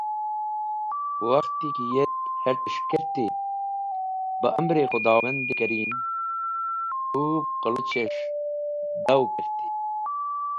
Wakhti ki yet het̃es̃h kerti, beh amr-e Khudowand-e Karim, hũb qaloches̃h daw kerti.